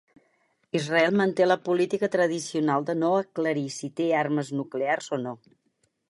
Israel manté la política tradicional de no aclarir si té armes nuclears o no.